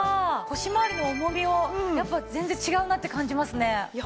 腰回りの重みをやっぱ全然違うなって感じますね。